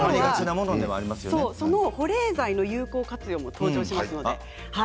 きょうは、その保冷剤の有効活用も登場しますので。